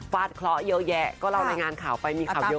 เคราะห์เยอะแยะก็เรารายงานข่าวไปมีข่าวเยอะ